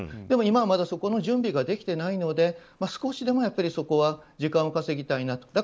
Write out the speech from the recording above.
でも、今はまだそこの準備ができてないので少しでもそこは時間を稼ぎたいなと。